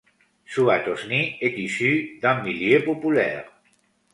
Souad Hosni est issue d'un milieu populaire.